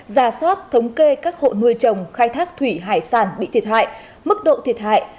ra soát thống kê các hộ nuôi trồng khai thác thủy hải sản bị thiệt hại mức độ thiệt hại